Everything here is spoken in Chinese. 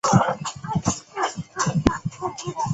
当时张之洞由湖广总督转任军机大臣。